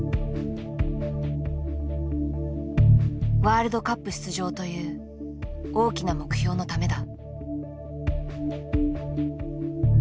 ワールドカップ出場という大きな目標のためだ。